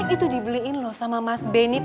itu dibeliin loh sama mas benny